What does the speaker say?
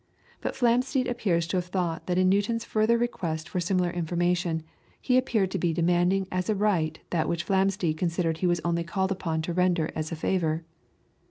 But Flamsteed appears to have thought that in Newton's further request for similar information, he appeared to be demanding as a right that which Flamsteed considered he was only called upon to render as a favour.